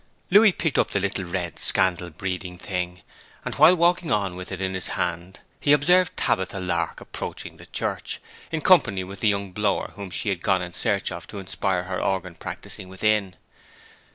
Louis picked up the little red scandal breeding thing, and while walking on with it in his hand he observed Tabitha Lark approaching the church, in company with the young blower whom she had gone in search of to inspire her organ practising within.